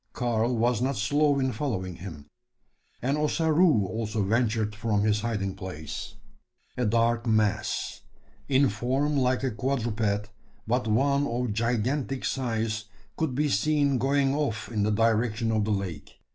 Karl was not slow in following him; and Ossaroo also ventured from his hiding place. A dark mass in form like a quadruped, but one of gigantic size could be seen going off in the direction of the lake.